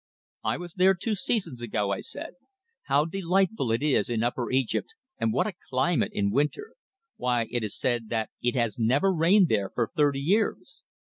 "I was there two seasons ago," I said. "How delightful it is in Upper Egypt and what a climate in winter! Why, it is said that it has never rained there for thirty years!"